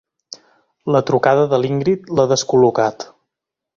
La trucada de l'Ingrid l'ha descol·locat.